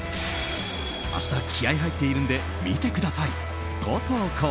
明日、気合入っているんで見てくださいと投稿。